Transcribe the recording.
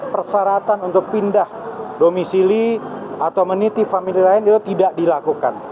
persyaratan untuk pindah domisili atau menitip famili lain itu tidak dilakukan